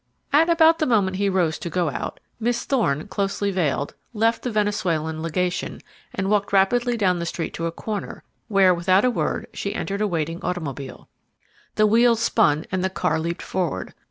At about the moment he rose to go out, Miss Thorne, closely veiled, left the Venezuelan legation and walked rapidly down the street to a corner, where, without a word, she entered a waiting automobile. The wheels spun and the car leaped forward.